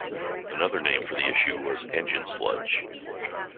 Another name for the issue was "Engine sludge".